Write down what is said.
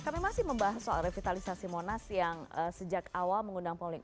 kami masih membahas soal revitalisasi monas yang sejak awal mengundang polling